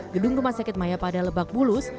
gedung rumah sakit maya pada lebak bulus